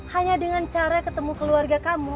hanya dengan cara ketemu keluarga kamu